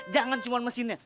jangan cuma mesinnya